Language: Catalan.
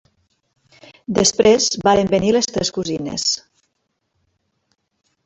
Després varen venir les tres cosines